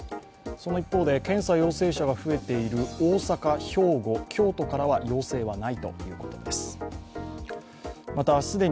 その一方で検査陽性者が増えている大阪、兵庫、京都からは要請はないということです。